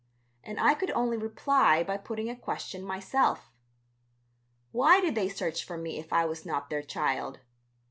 And I could only reply by putting a question myself. "Why did they search for me if I was not their child?